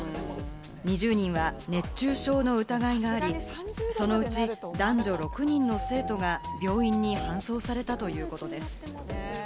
２０人は熱中症の疑いがあり、そのうち男女６人の生徒が病院に搬送されたということです。